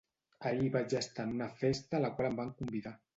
Ahir vaig estar en una festa a la qual em van convidar.